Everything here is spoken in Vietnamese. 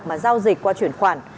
mà giao dịch qua chuyển khoản